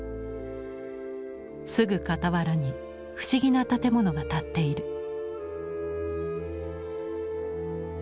すぐ傍らに不思議な建物が立っている。